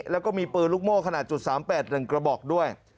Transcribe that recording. แล้วก็มีปือลุกโม่ขนาดจุดสามแปดหนึ่งกระบอกด้วย